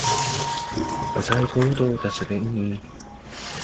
是你的；是我的，三商巧福。